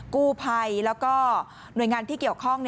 กู้ภัยแล้วก็หน่วยงานที่เกี่ยวข้อง